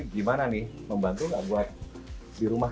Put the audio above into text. gimana nih membantu gak buat di rumah